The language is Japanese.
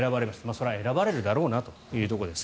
それは選ばれるだろうなというところです。